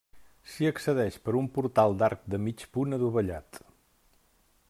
S'hi accedeix per un portal d'arc de mig punt adovellat.